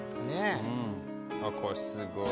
ここすごい。